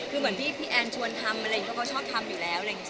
คือเหมือนพี่แอนชวนทำอะไรอย่างนี้เขาก็ชอบทำอยู่แล้วอะไรอย่างนี้